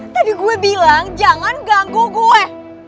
tadi gue bilang jangan ganggu gue